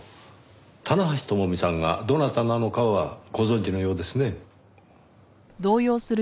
棚橋智美さんがどなたなのかはご存じのようですね。